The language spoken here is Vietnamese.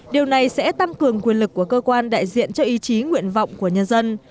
điều này sẽ tăng cường quyền lực của cơ quan đại diện cho ý chí nguyện vọng của nhân dân